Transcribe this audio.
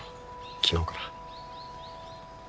昨日から。